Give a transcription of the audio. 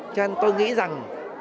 cho nên tôi nghĩ rằng